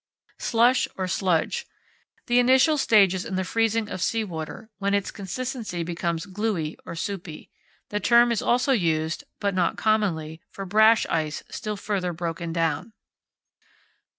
Slush or Sludge. The initial stages in the freezing of sea water, when its consistency becomes gluey or soupy. The term is also used (but not commonly) for brash ice still further broken down.